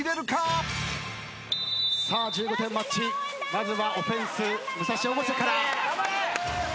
まずはオフェンス武蔵越生から。